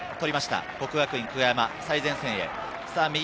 國學院久我山、最前線へ。